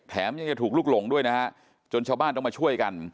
ยังจะถูกลุกหลงด้วยนะฮะจนชาวบ้านต้องมาช่วยกัน